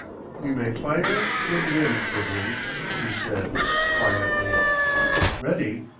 "You may fire when ready, Gridley," he said, quietly. Ready!